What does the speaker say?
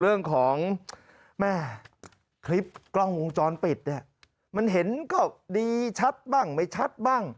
เรื่องของแม่คลิปกล้องวงจรปิดเนี่ยมันเห็นก็ดีชัดบ้างไม่ชัดบ้าง